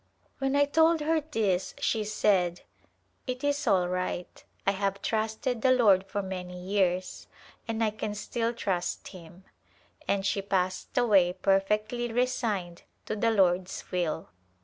When I told her this she said, " It is all right. I have trusted the Lord for many years and I can still trust Him," and she passed away perfectly resigned to the Lord's will.